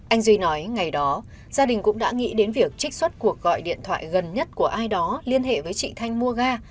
anh duy nói ngày đó gia đình cũng đã nghĩ đến việc trích xuất cuộc gọi điện thoại gần nhất của ai đó liên hệ với chị thanh mua ga